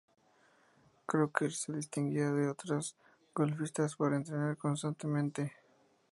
Crocker se distinguía de otras golfistas por entrenar constantemente.